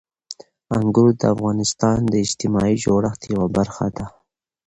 انګور د افغانستان د اجتماعي جوړښت یوه برخه ده.